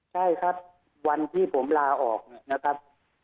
ใช่ครับวันที่ผมลาออกนะครับ